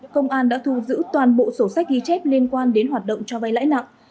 công an đã thu giữ toàn bộ sổ sách ghi chép liên quan đến hoạt động cho vay lãi nặng